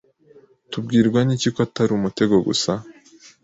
Tubwirwa n'iki ko atari umutego gusa?